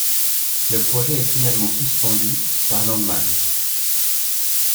Le projet est finalement suspendu par Langmann.